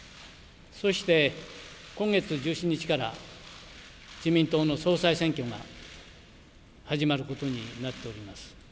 そして今月１７日から自民党の総裁選挙が始まることになっております。